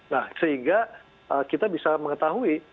nah sehingga kita bisa mengetahui